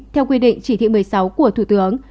theo quy định chỉ thị một mươi sáu của thủ tướng